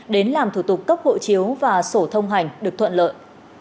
đến làm thủ tục cấp hộ chiếu và sổ thông hành được thuận lợi